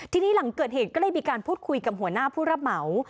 ทีนี้หลังเกิดเหตุก็เลยมีการพูดคุยกับหัวหน้าผู้รับเหมา